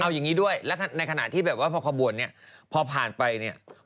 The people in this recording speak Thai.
เอาอย่างงี้ด้วยในขณะที่พอขบวนพอผ่านไป